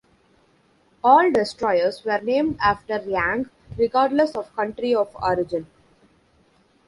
All destroyers were named after Yang regardless of country of origin.